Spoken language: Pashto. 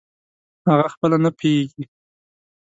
اغه خپله نه پییږي